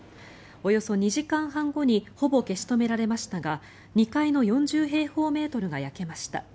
およそ２時間半後にほぼ消し止められましたが２階の４０平方メートルが焼けました。